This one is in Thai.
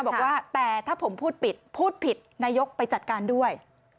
บอกว่าแต่ถ้าผมพูดผิดพูดผิดนายกไปจัดการด้วย